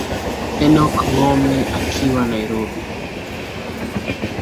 enock ngome akiwa nairobi